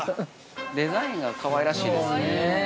◆デザインがかわいらしいですね。